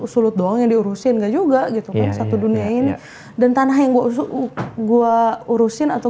sulit doang yang diurusin enggak juga gitu satu dunia ini dan tanah yang gue urusin atau